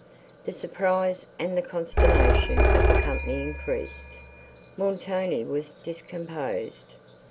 The surprise and consternation of the company increased. Montoni was discomposed.